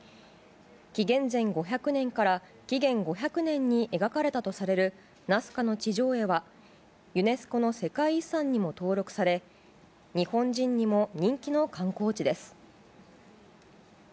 紀元前５００年から紀元５００年に描かれたとされるナスカの地上絵はユネスコの世界遺産にも登録され日本人にも人気の観光地です。